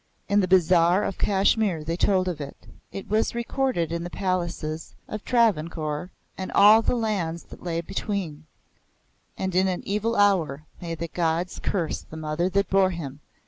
In the bazaar of Kashmir they told of it. It was recorded in the palaces of Travancore, and all the lands that lay between; and in an evil hour may the Gods curse the mother that bore him!